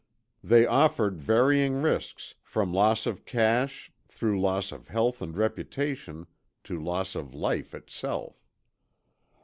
They offered varying risks, from loss of cash, through loss of health and reputation, to loss of life itself.